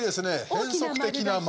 変則的な丸。